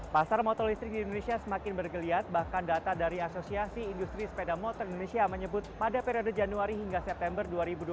pasar motor listrik di indonesia semakin bergeliat bahkan data dari asosiasi industri sepeda motor indonesia menyebut pada periode januari hingga september dua ribu dua puluh